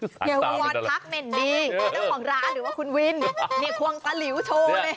สารสาวนี้มันอะไรโวนทักเม่นมีคนของร้านหรือว่าคุณวินควงซะหริวโชว์เลย